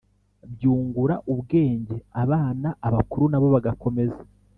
byungura ubwenge abana, abakuru na bo bagakomeza